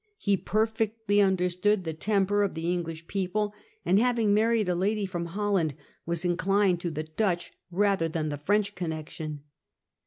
He perfectly understood the temper of the English people ; and, having married a lady from Holland, was inclined to the Dutch rather than the French connection.